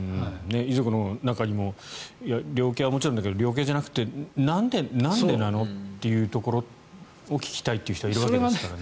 遺族の中にも量刑はもちろんだけど量刑じゃなくてなんでなの？っていうところを聞きたいという人がいるわけですからね。